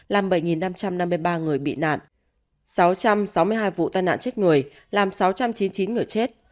làm bảy năm trăm năm mươi ba người bị nạn sáu trăm sáu mươi hai vụ tai nạn chết người làm sáu trăm chín mươi chín người chết